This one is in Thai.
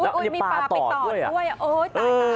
อุ๊ยมีปลาไปตอดด้วยโอ๊ยตาย